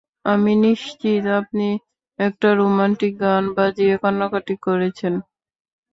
আমি নিশ্চিত আপনি একটা রোমান্টিক গান বাজিয়ে কান্নাকাটি করেছেন!